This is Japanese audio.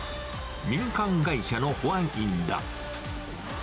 民間会社の保安員だ。